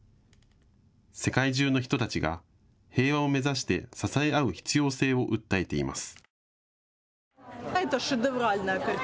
世界中の人たちが平和を目指して支え合う必要性を訴えています。